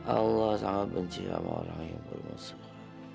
allah sangat benci sama orang yang bermuska